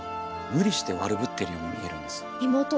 無理して悪ぶっているようにも見えるんです。